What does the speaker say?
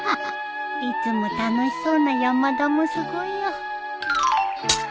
いつも楽しそうな山田もすごいよん？